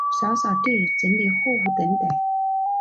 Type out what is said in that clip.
扫扫地、整理货物等等